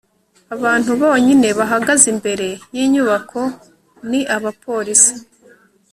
abantu bonyine bahagaze imbere yinyubako ni abapolisi